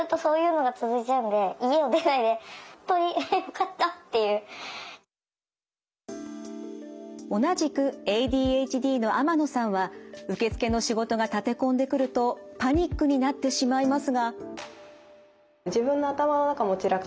また勤務の一部を同じくＡＤＨＤの天野さんは受付の仕事が立て込んでくるとパニックになってしまいますが。